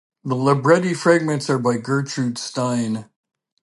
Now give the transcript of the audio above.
The libretti-fragments are by Gertrude Stein.